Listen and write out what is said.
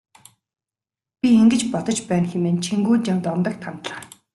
Би ингэж бодож байна хэмээн Чингүнжав Дондогт хандлаа.